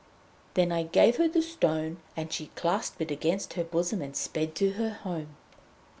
Then I gave her the stone, and she clasped it against her bosom and sped to her home.